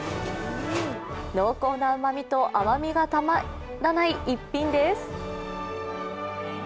濃厚なうまみと甘みがたまらない一品です。